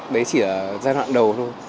đấy chỉ là giai đoạn đầu thôi